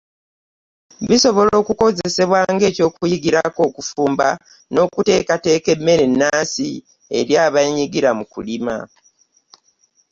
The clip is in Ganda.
Bisobola okukozesebwa nga ekyokuyigirako okufumba n’okuteekateeka emmere ennansi eri abeenyigira mu kulima